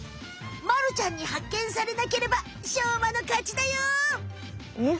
まるちゃんにはっけんされなければしょうまのかちだよ。